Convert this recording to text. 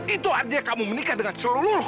itu artinya kamu menikah dengan seluruh